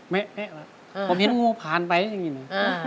ไม่ผมเห็นงูผ่านไปอย่างนี้นะ